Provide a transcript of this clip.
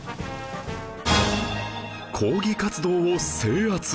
抗議活動を制圧